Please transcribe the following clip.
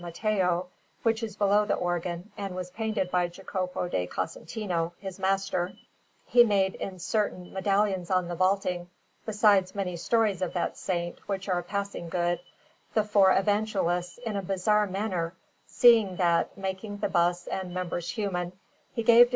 Matteo (which is below the organ, and was painted by Jacopo di Casentino, his master), he made in certain medallions on the vaulting besides many stories of that Saint, which are passing good the four Evangelists in a bizarre manner, seeing that, making the busts and members human, he gave to S.